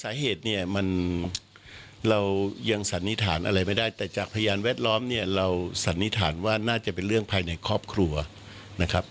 สาเหตุเนี่ยมันเรายังสันนิษฐานอะไรไม่ได้แต่จากพยานแวดล้อมเนี่ยเราสันนิษฐานว่าน่าจะเป็นเรื่องภายในครอบครัวนะครับ